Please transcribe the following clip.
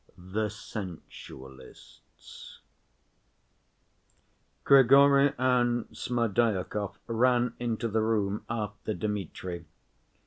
The Sensualists Grigory and Smerdyakov ran into the room after Dmitri.